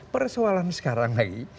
persoalan sekarang lagi